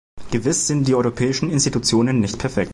Gewiss sind die europäischen Institutionen nicht perfekt.